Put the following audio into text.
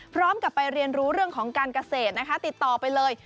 พร้อมกับไปเรียนรู้เรื่องของการเกษตรนะคะติดต่อไปเลย